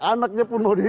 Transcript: anaknya pun mau diikat